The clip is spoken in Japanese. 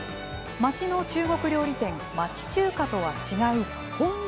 町の中国料理店町中華とは違う本場の味